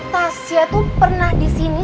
tasya tuh pernah disini